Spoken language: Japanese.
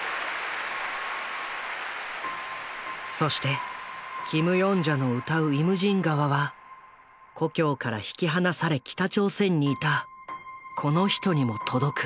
そしてキム・ヨンジャの歌う「イムジン河」は故郷から引き離され北朝鮮にいたこの人にも届く。